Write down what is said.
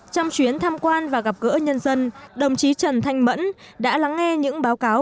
trong chuyến tham quan và gặp gỡ nhân dân đồng chí trần thanh mẫn đã lắng nghe những báo cáo